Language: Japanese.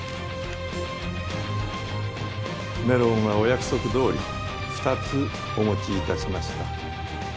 メロンはお約束どおり２つお持ち致しました。